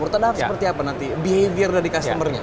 menurut anda seperti apa nanti behavior dari customer nya